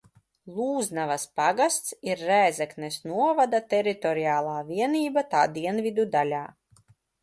Lūznavas pagasts ir Rēzeknes novada teritoriāla vienība tā dienvidu daļā.